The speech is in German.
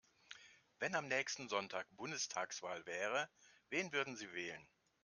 Wenn am nächsten Sonntag Bundestagswahl wäre, wen würden Sie wählen?